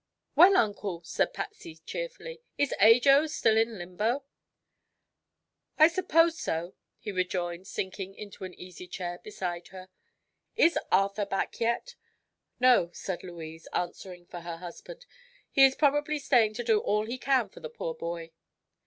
"Well, Uncle," said Patsy, cheerfully, "is Ajo still in limbo?" "I suppose so," he rejoined, sinking into an easy chair beside her. "Is Arthur back yet?" "No," said Louise, answering for her husband, "he is probably staying to do all he can for the poor boy."